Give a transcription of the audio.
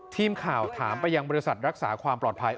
ทีมข่าวถามไปยังบริษัทรักษาความปลอดภัย